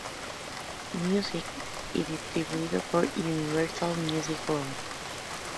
Music" y distribuido por "Universal Music Group.